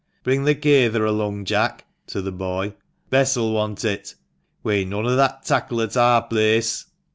" Bring the kaytherf alung, Jack," (to the boy) "Bess'll want it. We'n noan o' that tackle at ar place.